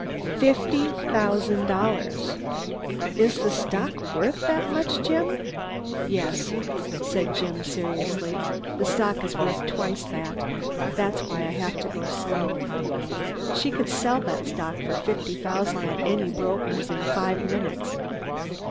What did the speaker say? "Fifty thousand dollars." "Is the stock worth that much, Jim?" "Yes," said Jim seriously, "the stock is worth twice that. That's why I have to go slow. She could sell that stock for fifty thousand at any broker's in five minutes."